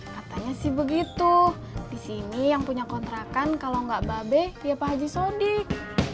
katanya sih begitu disini yang punya kontrakan kalau gak babe ya pak haji sodik